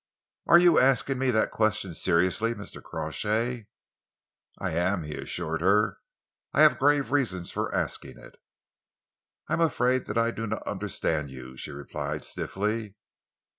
"Are you asking me that question seriously, Mr. Crawshay?" "I am," he assured her. "I have grave reasons for asking it." "I am afraid that I do not understand you," she replied stiffly.